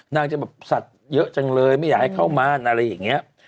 นางจะแบบสัตว์เยอะจังเลยไม่อยากให้เข้าม่านอะไรอย่างนี้